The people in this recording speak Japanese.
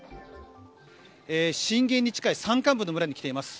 震源に近い山間部の村に来ています。